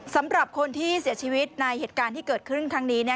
สำหรับคนที่เสียชีวิตในเหตุการณ์ที่เกิดขึ้นครั้งนี้